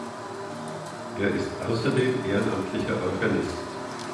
Er ist außerdem ehrenamtlicher Organist.